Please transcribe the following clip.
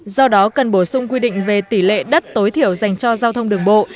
do đó cần bổ sung quy định về tỷ lệ đất tối thiểu dành cho giao thông đường bộ